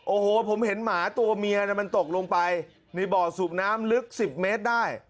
โอ้โหผมเห็นหมาตัวเมียมันตกลงไปในบ่อสูบน้ำลึก๑๐เมตรได้